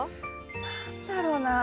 何だろうなあ。